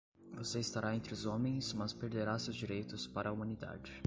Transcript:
Você estará entre os homens, mas perderá seus direitos para a humanidade.